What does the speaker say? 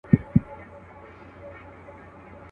نور د منبر څوکو ته مه خېژوه.